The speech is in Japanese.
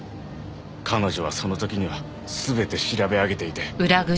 彼女はその時には全て調べ上げていて。